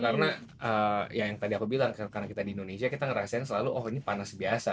karena yang tadi aku bilang karena kita di indonesia kita ngerasain selalu oh ini panas biasa